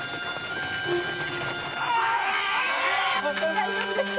大丈夫ですか？